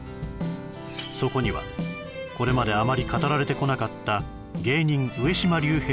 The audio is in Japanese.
そこにはこれまであまり語られてこなかった芸人・上島竜兵